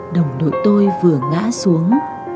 đồng đội tôi vừa ngã xuống